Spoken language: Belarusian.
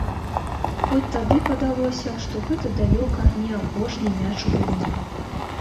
Хоць тады падалося, што гэта далёка не апошні мяч у гульні.